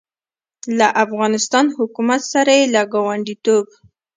له افغان حکومت سره یې له ګاونډیتوب